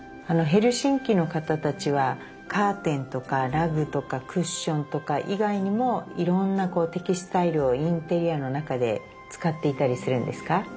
ヘルシンキの方たちはカーテンとかラグとかクッションとか以外にもいろんなテキスタイルをインテリアの中で使っていたりするんですか？